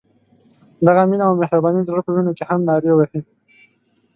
دغه مینه او مهرباني د زړه په وینو کې هم نارې وهي.